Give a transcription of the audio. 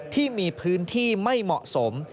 ที่มีพื้นที่ไม่เหมาะสม